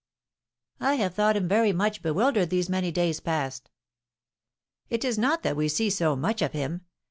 "I have thought him very much bewildered these many days past." "It is not that we see so much of him.